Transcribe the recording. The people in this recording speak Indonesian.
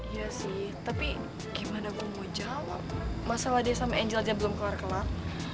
iya sih tapi gimana gue mau jawab masalah dia sama angel aja belum keluar kelak